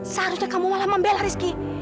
seharusnya kamu malah membela rizki